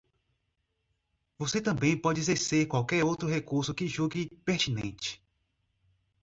Você também pode exercer qualquer outro recurso que julgue pertinente.